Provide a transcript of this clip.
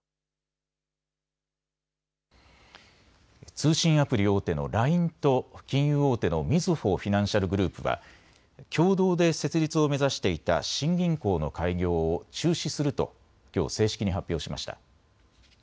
通信アプリ大手のＬＩＮＥと金融大手のみずほフィナンシャルグループは共同で設立を目指していた新銀行の開業を中止するときょう正式に発表しました。